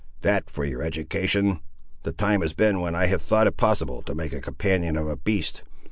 "That, for your education! The time has been when I have thought it possible to make a companion of a beast.